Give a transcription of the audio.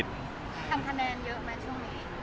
ทำคะแนนเยอะไหมช่วงนี้